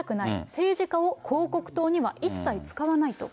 政治家を広告塔には一切使わないと。